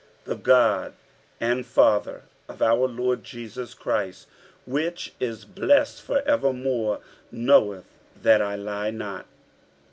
47:011:031 The God and Father of our Lord Jesus Christ, which is blessed for evermore, knoweth that I lie not.